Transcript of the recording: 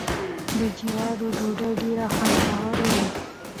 د جوارو ډوډۍ ډیره خوندوره وي.